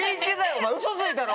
お前ウソついたろ？